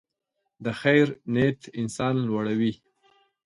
د خیر نیت انسان لوړوي.